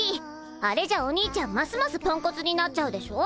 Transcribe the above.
あれじゃお兄ちゃんますますポンコツになっちゃうでしょ。